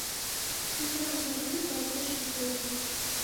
Հուշահամալիրը բաց է շուրջօրյա։